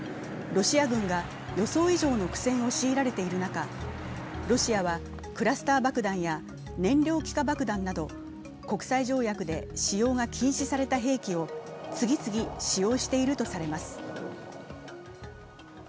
ロシア軍が予想以上の苦戦を強いられている中、ロシアはクラスター爆弾や燃料気化爆弾など国際条約で使用が禁止された兵器を次々、使用しているとされます。